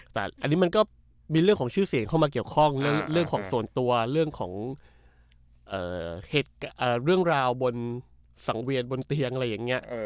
แต่อันนี้มันก็มีเรื่องของชื่อเสียงเข้ามาเกี่ยวข้องเรื่องของส่วนตัวเรื่องของเรื่องราวบนสังเวียนบนเตียงอะไรอย่างนี้